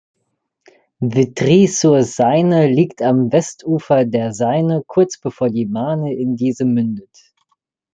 Vitry-sur-Seine liegt am Westufer der Seine, kurz bevor die Marne in diese mündet.